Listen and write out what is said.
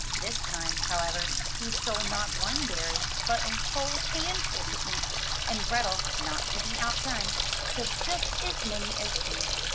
'* This time, however, he stole not one berry, but a whole handful to eat, and Grethel, not to be outdone, took just as many as he.